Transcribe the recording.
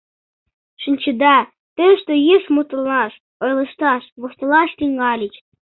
Шинчеда, тыште йышт мутланаш, ойлышташ, воштылаш тӱҥальыч.